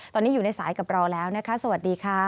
ตอนนี้อยู่ในสายกับเราแล้วนะคะสวัสดีค่ะ